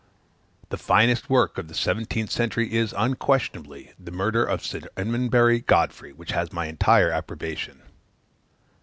The finest work of the seventeenth century is, unquestionably, the murder of Sir Edmondbury Godfrey, which has my entire approbation.